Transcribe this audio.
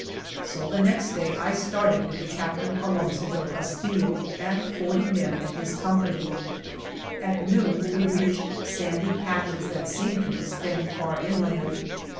So the next day I started with the Cap tain Alonso del Castillo and forty men of his company. At noon we reached sandy patches that seemed to extend far inland.